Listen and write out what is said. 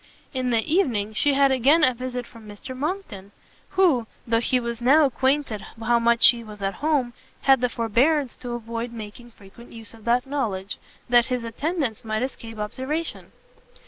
In the evening she had again a visit from Mr Monckton, who, though he was now acquainted how much she was at home, had the forbearance to avoid making frequent use of that knowledge, that his attendance might escape observation.